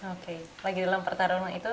oke lagi dalam pertarungan itu